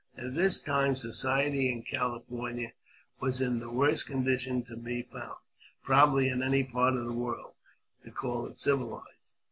At this time society in California was in the worst condition to be found, probably, in any part of the world, to call it civilized.